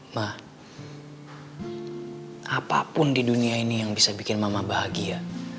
mah apapun di dunia ini yang bisa bikin mama bahagia